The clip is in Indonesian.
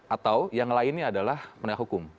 atau yang lainnya adalah menegak hukum